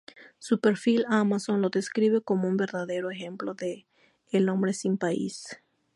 Su perfil Amazon lo describe como un verdadero ejemplo de "El hombre sin país".